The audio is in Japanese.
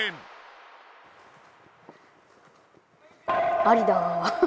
ありだ。